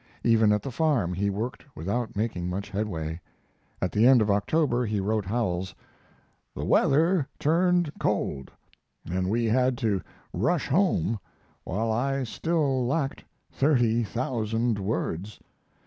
Even at the farm he worked without making much headway. At the end of October he wrote Howells: The weather turned cold, and we had to rush home, while I still lacked thirty thousand words.